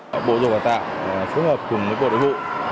bộ giáo dục và đào tạo xuất hợp cùng với bộ đại hội